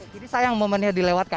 jadi sayang momennya dilewatkan